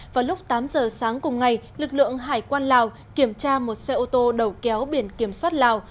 vào lúc tám giờ sáng cùng ngày lực lượng hải quan lào kiểm tra một xe ô tô đầu kéo biển kiểm soát lào